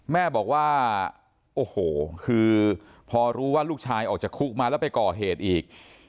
แม่บอกว่าโอ้โหคือพอรู้ว่าลูกชายออกจากคุกมาแล้วไปก่อเหตุอีก